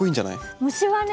虫はね